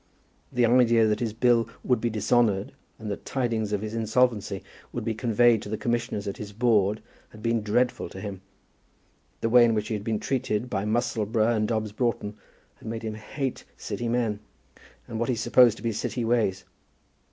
The idea that his bill would be dishonoured, and that tidings of his insolvency would be conveyed to the Commissioners at his Board, had been dreadful to him. The way in which he had been treated by Musselboro and Dobbs Broughton had made him hate City men, and what he supposed to be City ways.